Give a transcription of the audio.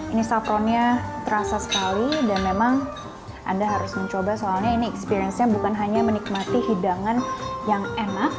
ini safronnya terasa sekali dan memang anda harus mencoba soalnya ini experience nya bukan hanya menikmati hidangan yang enak